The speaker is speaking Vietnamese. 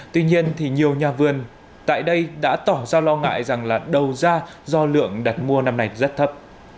tuy nhiên thì nhiều nhà vườn tại đây đã tỏ ra lo ngại rằng là đầu ra do lượng đặt mua năm nay rất thấp